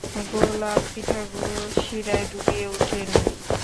গোলাপ পিঠাগুলো সিরায় ডুবিয়ে উঠিয়ে নিন।